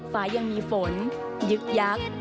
ฟ้ายังมีฝนยึกยักษ์